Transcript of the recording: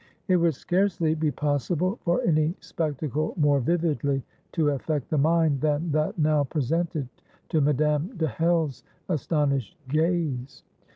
It would scarcely be possible for any spectacle more vividly to affect the mind than that now presented to Madame de Hell's astonished gaze.